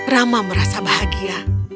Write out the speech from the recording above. rama merasa bahagia